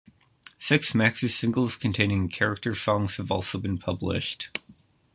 Six maxi singles containing character songs have also been published.